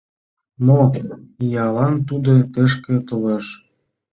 — Мо иялан тудо тышке толеш?